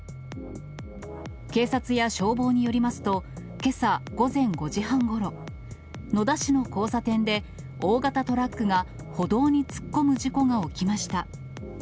警察や消防によりますと、けさ午前５時半ごろ、野田市の交差点で、大型トラックが歩道に突っ込む事故が起きました。